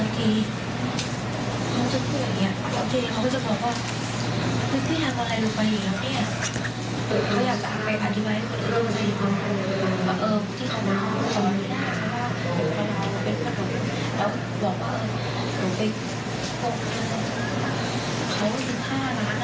อ๋อเขามาใส่บางน้องว่าน้องโปรเงินเขา๑๕ล้าน